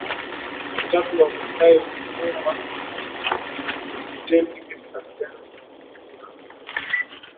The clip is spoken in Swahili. na tatu Wamasai huoa wake wengi hii hutendwa ili kukabiliana na vifo vingi vya